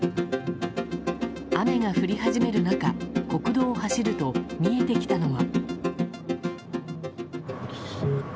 雨が降り始める中、国道を走ると見えてきたのは。